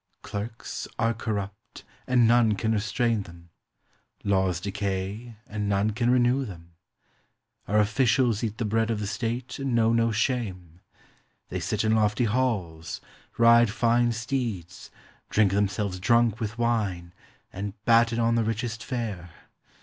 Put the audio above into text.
Clerks are corrupt, and none can restrain them. Laws decay, and none can renew them. Our officials eat the bread of the State, and know no shame. They sit in lofty halls, ride fine steeds, drink themselves drunk with wine, and batten on the richest fare.